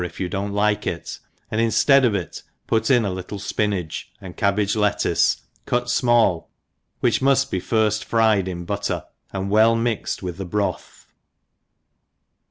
if you don't liku it, and inftead of it put in a little fpinage^ and cabbage lettuce, cut fmall, which muft be fir(^ fried in butter, and well mixed with tbp broth.